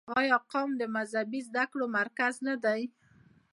آیا قم د مذهبي زده کړو مرکز نه دی؟